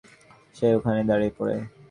সে ওখানেই দাঁড়িয়ে পড়ে।